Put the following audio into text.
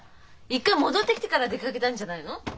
一回戻ってきてから出かけたんじゃないの？